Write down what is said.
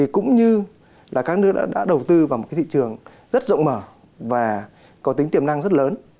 cũng như là các nước đã đầu tư vào một thị trường rất rộng mở và có tính tiềm năng rất lớn